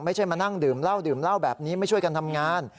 ไม่ใช่มานั่งดื่มเหล้าดื่มเหล้าแบบนี้ไม่ช่วยกันทำงาน